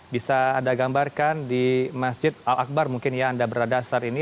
bisa anda gambarkan di masjid al akbar mungkin yang anda berada saat ini